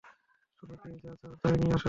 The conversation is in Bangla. তুমি কে, যাও চা নিয়া আসো।